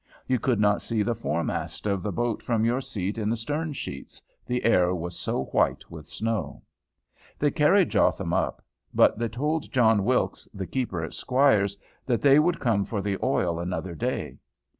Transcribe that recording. You could not see the foremast of the boat from your seat in the stern sheets, the air was so white with snow. They carried Jotham up. But they told John Wilkes, the keeper at Squire's, that they would come for the oil another day.